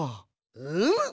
うむ。